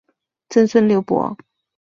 曾孙刘洎。